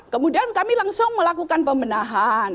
kemudian kami langsung melakukan pembenahan